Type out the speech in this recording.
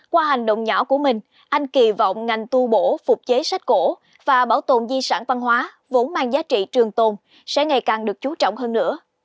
qua hành động nhỏ của mình anh kỳ vọng ngành tu bổ phục chế sách cổ và bảo tồn di sản văn hóa vốn mang giá trị trường tồn sẽ ngày càng được chú trọng hơn nữa